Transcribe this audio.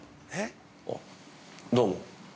◆あっ、どうも。